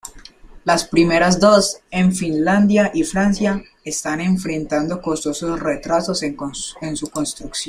Las primeras dos, en Finlandia y Francia, están enfrentando costosos retrasos en su construcción.